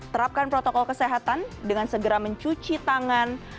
terapkan protokol kesehatan dengan segera mencuci tangan